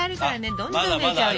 どんどん増えちゃうよ。